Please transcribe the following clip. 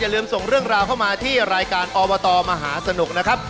ลืมส่งเรื่องราวเข้ามาที่รายการอบตมหาสนุกนะครับ